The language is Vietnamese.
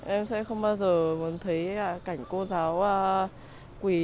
em sẽ không bao giờ muốn thấy cảnh cô giáo quỳ